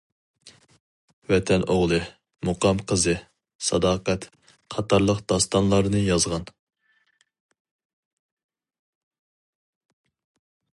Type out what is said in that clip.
«ۋەتەن ئوغلى» ، «مۇقام قىزى» ، «ساداقەت» قاتارلىق داستانلارنى يازغان.